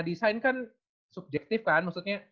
desain kan subjektif kan maksudnya